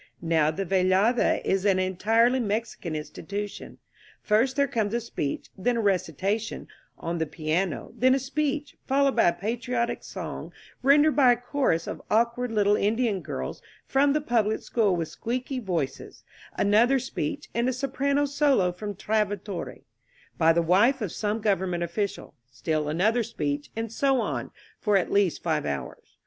Now, the velada is an entirely Mexican institution. First there comes a speech, then a ^^recitation" on the piano, then a speech, followed by a patriotic song ren dered by a chorus of awkward little Indian girls from the public school with squeaky voices, another speech, 186 ■fi * INSURGENT MEXICO and a soprano solo from "Trovatore" by the wife of some government official, still another speech, and so on for at least five hours.